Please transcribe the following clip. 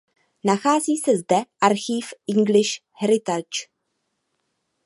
Nachází se zde archív English Heritage.